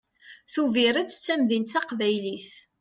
Tubiret d tamdint taqbaylit.